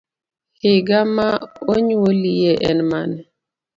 Higa ma onyuoliye en mane?